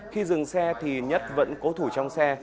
khi dừng xe thì nhất vẫn cố thủ trong xe